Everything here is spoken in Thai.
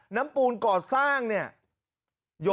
ปูนก่อสร้างเนี่ย